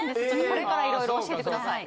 これから色々教えてください。